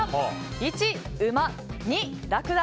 １、ウマ２、ラクダ。